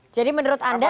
jadi menurut anda